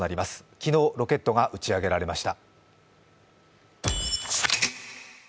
昨日、ロケットが打ち上げられました。